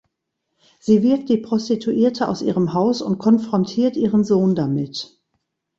Sie wirft die Prostituierte aus ihrem Haus und konfrontiert ihren Sohn damit.